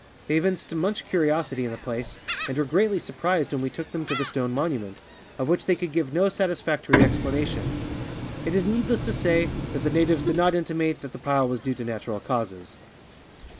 They evinced much curiositv in the place, and were greatly surprised when we took them to the stone monument, of which they could give no satis factory explanation. It is needless to say that the natives did not intimate that the pile Avas due to natural causes.